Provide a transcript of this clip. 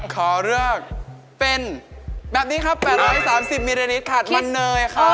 ขอเลือกเป็นแบบนี้ครับ๘๓๐มิลลิลิตรค่ะมันเนยค่ะ